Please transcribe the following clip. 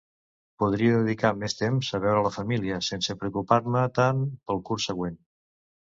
Podia dedicar més temps a veure la família, sense preocupar-me tant pel curs següent.